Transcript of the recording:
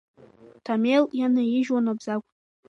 Ҭамел ианаижьуан Абзагә.